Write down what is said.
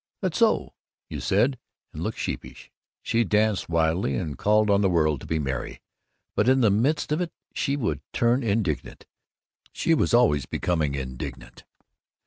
"That's so!" you said, and looked sheepish. She danced wildly, and called on the world to be merry, but in the midst of it she would turn indignant. She was always becoming indignant.